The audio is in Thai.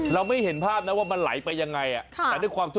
เราไม่เห็นภาพนะว่ามันไหลไปยังไงแต่ด้วยความที่